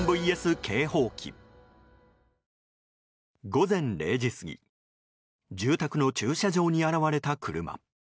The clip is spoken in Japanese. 午前０時過ぎ住宅の駐車場に現れた車。